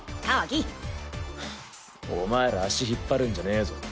ハアお前ら足引っ張るんじゃねえぞ。